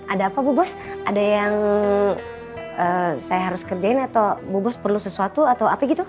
ada apa bu bos ada yang saya harus kerjain atau bu bos perlu sesuatu atau apa gitu